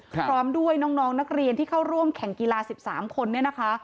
ครับพร้อมด้วยน้องน้องนักเรียนที่เข้าร่วมแข่งกีฬาสิบสามคนเนี่ยนะคะ